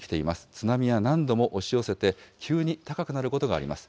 津波は何度も押し寄せて、急に高くなることがあります。